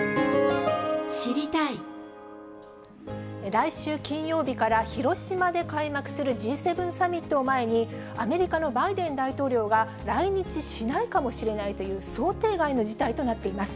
来週金曜日から広島で開幕するＧ７サミットを前に、アメリカのバイデン大統領が来日しないかもしれないという、想定外の事態となっています。